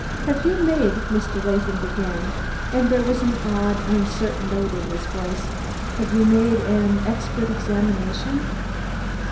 "Have you made," Mr. Latham began, and there was an odd, uncertain note in his voice "Have you made an expert examination?"